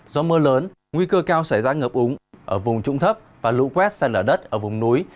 do mưa lớn nguy cơ cao xảy ra ngập úng ở vùng trũng thấp và lũ quét xa lở đất ở vùng núi